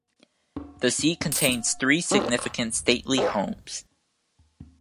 The seat contains three significant stately homes.